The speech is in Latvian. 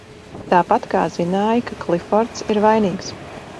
Tāpat, kā zināji, ka Klifords ir vainīgs?